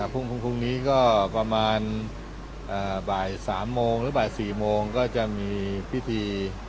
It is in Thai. พรุ่งนี้ก็ประมาณบ่าย๓โมงหรือบ่าย๔โมงก็จะมีพิธี